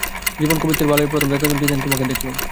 জীবনে কবিত্বের বালাই প্রথম দেখা দিল যেদিন তোমাকে দেখলুম।